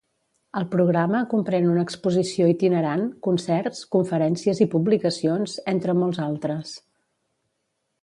El programa comprèn una exposició itinerant, concerts, conferències i publicacions, entre molts altres.